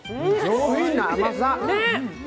上品な甘さ。